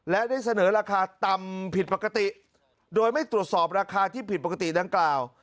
และได้เสนอราคาต่ำผิดปกติโดยไม่ตรวจสอบราคาที่ผิดปกติดังกล่าว